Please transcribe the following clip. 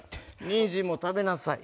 にんじんも食べなさい。